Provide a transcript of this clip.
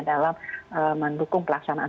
dalam mendukung pelaksanaan